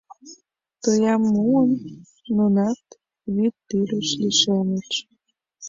Тоям муын, нунат вӱд тӱрыш лишемыч.